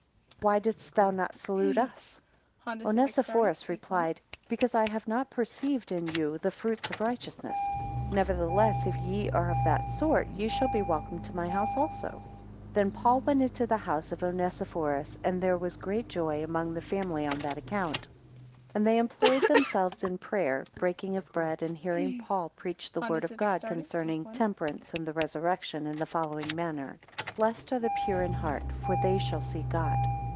Why didst thou not salute us? 10 Onesiphorus replied, Because I have not perceived in you the fruits of righteousness; nevertheless, if ye are of that sort, ye shall be welcome to my house also. 11 Then Paul went into the house of Onesiphorus, and there was great joy among the family on that account: and they employed themselves in prayer, breaking of bread, and hearing Paul preach the word of God concerning temperance and the resurrection, in the following manner: 12 Blessed are the pure in heart; for they shall see God.